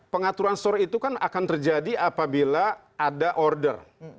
pengaturan store itu kan akan terjadi apabila ada order